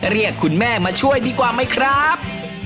เรียกคุณแม่มาช่วยดีกว่าไหมครับ